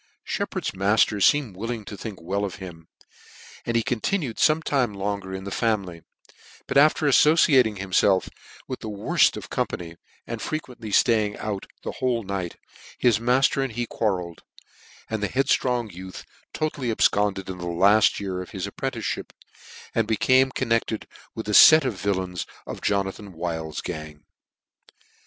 Sheppard's matter feemed willing to think well of him, and he continued ibme time longer in the family; but after aiTociating himfelf with the worft of company, and frequently Haying out the whole night, his matter and he quarrelled, and the headftrong youth totally abfconded in the laft year of his apprenticemip, and became connected with a fet of villains of Jonathan Wild's gang.